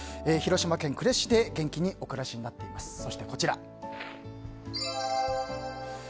広島県呉市で元気にお暮しになっています。